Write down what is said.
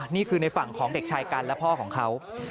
นี่คือในฝั่งของเด็กชายกันและพ่อของเขา